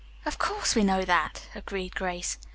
"Of course, we know that," agreed Grace.